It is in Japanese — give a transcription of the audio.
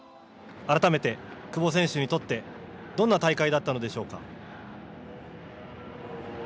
改めて、久保選手にとってどんな大会だったのでしょうか。